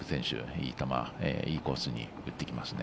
いい球、いいコースに打ってきますね。